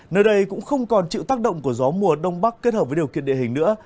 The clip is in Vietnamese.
nơi đây cũng không còn chịu tác động của gió mùa đông bắc kết hợp với điều kiện địa hình nữa